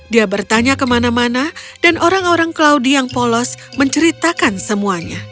dia bertanya kemana mana dan orang orang claudie yang polos menceritakan semuanya